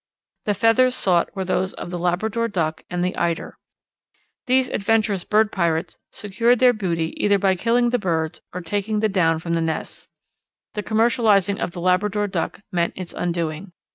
The feathers sought were those of the Labrador Duck and the Eider. These adventurous bird pirates secured their booty either by killing the birds or taking the down from the nests. The commercializing of the Labrador Duck meant its undoing.